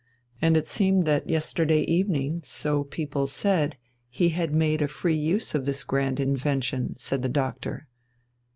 And it seemed that yesterday evening, so people said, he had made a free use of this grand invention, said the doctor.